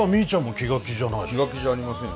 気が気じゃありませんよ。